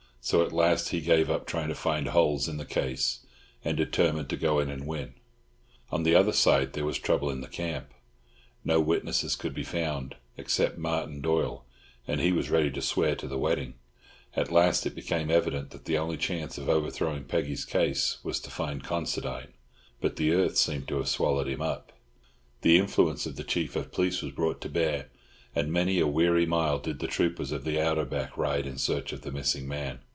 So at last he gave up trying to find holes in the case, and determined to go in and win. On the other side there was trouble in the camp—no witnesses could be found, except Martin Doyle, and he was ready to swear to the wedding. At last it became evident that the only chance of overthrowing Peggy's case was to find Considine; but the earth seemed to have swallowed him up. The influence of the Chief of Police was brought to bear, and many a weary mile did the troopers of the Outer Back ride in search of the missing man.